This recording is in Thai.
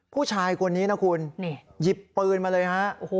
ผู้ชายคนนี้นะคุณหยิบปืนมาเลยฮะ